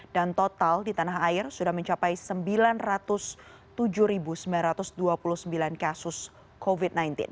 dan total di tanah air sudah mencapai sembilan ratus tujuh sembilan ratus dua puluh sembilan kasus covid sembilan belas